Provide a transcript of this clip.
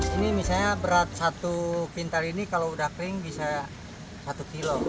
ini misalnya berat satu pintar ini kalau udah kering bisa satu kilo